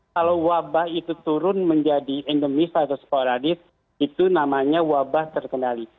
kalau wabah itu turun menjadi endemis atau sporadis itu namanya wabah terkendali